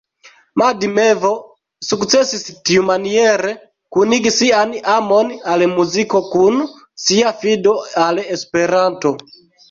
Mad Mevo sukcesis tiumaniere kunigi sian amon al muziko kun sia fido al Esperanto.